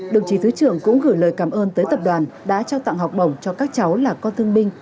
đồng chí thứ trưởng cũng gửi lời cảm ơn tới tập đoàn đã trao tặng học bổng cho các cháu là con thương binh